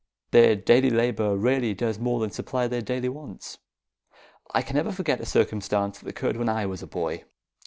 Their daily labour rarely does more than supply their daily wants. I can never forget a circumstance that occurred when I was a boy.